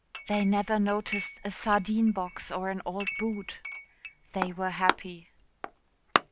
They never noticed a sardine box or an old boot. They were happy.